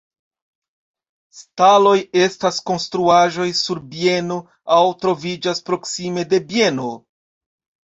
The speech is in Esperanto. Staloj estas konstruaĵoj sur bieno aŭ troviĝas proksime de bieno.